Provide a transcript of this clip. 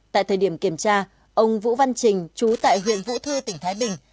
tại thời điểm kiểm tra ông vũ văn trình chú tại huyện vũ thư tỉnh thái bình